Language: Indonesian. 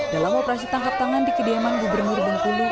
dalam operasi tangkap tangan di kediaman gubernur bengkulu